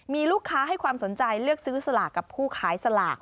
มีลูกค้าให้ความสนใจเลือกซื้อสลากกับผู้ขายสลาก